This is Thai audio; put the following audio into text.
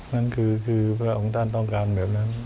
นั่นคือพระองค์ท่านต้องการแบบนั้น